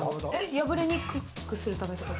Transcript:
破れにくくするためってこと？